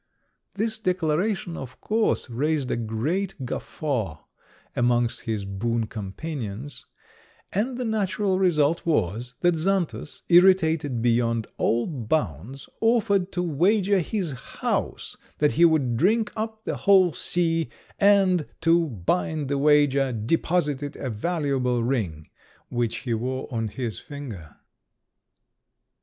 This declaration, of course, raised a great guffaw amongst his boon companions, and the natural result was, that Xantus, irritated beyond all bounds, offered to wager his house that he would drink up the whole sea, and, to bind the wager, deposited a valuable ring which he wore on his finger.